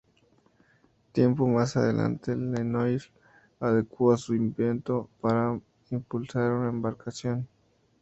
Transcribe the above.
Tiempo más adelante, Lenoir adecua su invento para impulsar una embarcación.